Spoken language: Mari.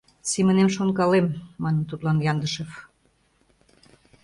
— Семынем шонкалем... — манын тудлан Яндышев.